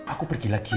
aku pergi lagi ya